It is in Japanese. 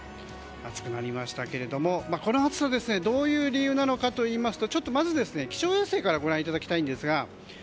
暑くなりましたけれどもこの暑さ、どういう理由かといいますとちょっとまず気象衛星からご覧いただきます。